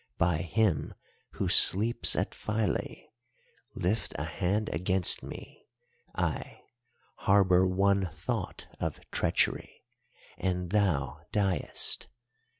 By Him who sleeps at Philæ, lift a hand against me, ay, harbour one thought of treachery, and thou diest.